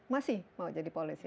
masih mau jadi polisi